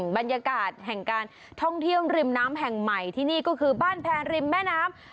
บรรยากาศแห่งการท่องเที่ยวริมน้ำแห่งใหม่ที่นี่ก็คือบ้านแพรริมแม่น้ำ